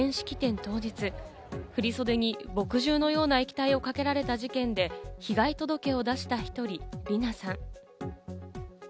当日、振り袖に墨汁のような液体をかけられた事件で、被害届を出した一人、りなさん。